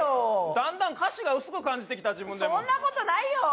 だんだん歌詞が薄く感じてきた自分でもそんなことないよ！